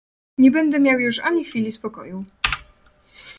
"Nie będę miał już ani chwili spokoju."